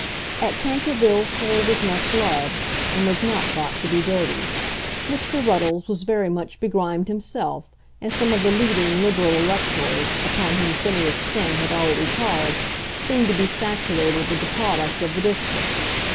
At Tankerville coal was much loved, and was not thought to be dirty. Mr. Ruddles was very much begrimed himself, and some of the leading Liberal electors, upon whom Phineas Finn had already called, seemed to be saturated with the product of the district.